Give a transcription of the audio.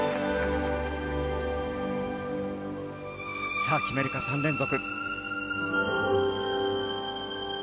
さあ、決めるか３連続。